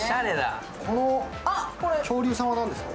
この恐竜さんは、何ですか？